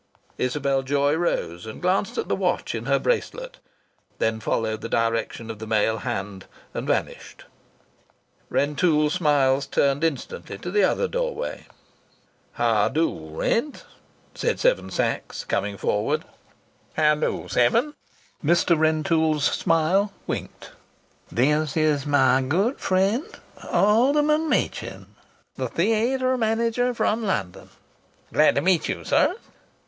Isabel Joy rose and glanced at the watch in her bracelet, then followed the direction of the male hand and vanished. Rentoul Smiles turned instantly to the other doorway. "How do, Rent?" said Seven Sachs, coming forward. "How do, Seven?" Mr. Rentoul Smiles winked. "This is my good friend, Alderman Machin, the theatre manager from London." "Glad to meet you, sir."